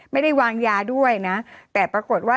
ไม่ได้วางยาด้วยนะแต่ปรากฏว่า